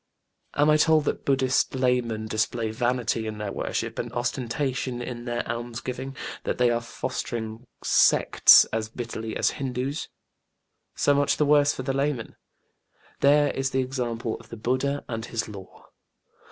Am I told that BudĖĢdĖĢhist laymen display vanity in their worship and ostentation in their almsgiving; that they are fostering sects as bitterly as HindĖĢÅŦs? So much the worse for the laymen: there is the example of BudĖĢdĖĢha and his Law.